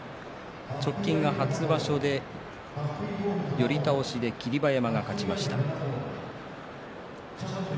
直近が初場所で、寄り倒して霧馬山が勝ちました。